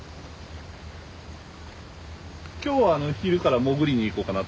今日は昼から潜りに行こうかな。